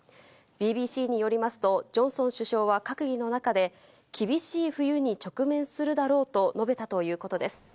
ＢＢＣによりますと、ジョンソン首相は閣議の中で、厳しい冬に直面するだろうと述べたということです。